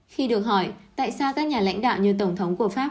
khi được hỏi tại sao các nhà lãnh đạo như tổng thống của pháp